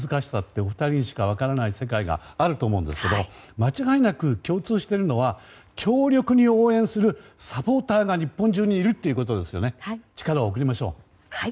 お二人にしか分からないものがあると思いますが間違いなく共通しているのは強力に応援するサポーターが日本中にいることですよね。